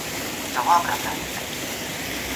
ایا هر ناروغ ټولې نښې تجربه کوي؟